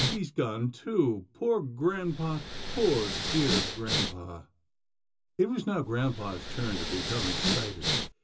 He's gone too. Poor grampa — poor dear grampa." It was now grampa's turn to become excited.